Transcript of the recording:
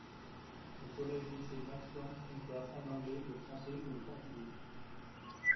Au collège-lycée Max-Planck, on peut apprendre l’anglais, le français ou le portugais.